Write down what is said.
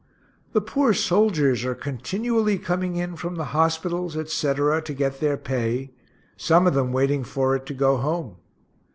The poor soldiers are continually coming in from the hospitals, etc., to get their pay some of them waiting for it to go home.